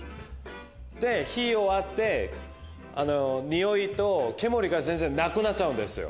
で火終わってニオイと煙が全然なくなっちゃうんですよ。